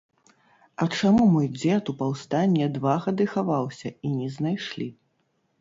А чаму мой дзед у паўстанне два гады хаваўся, і не знайшлі.